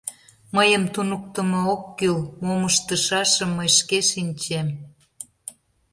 Мыйым туныктымо ок кӱл, мом ыштышашым мый шке шинчем.